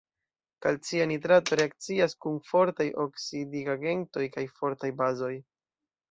Kalcia nitrato reakcias kun fortaj oksidigagentoj kaj fortaj bazoj.